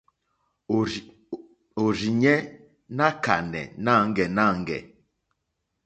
Òrzìɲɛ́ ná kánɛ̀ nâŋɡɛ́nâŋɡɛ̂.